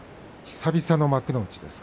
久々の幕内。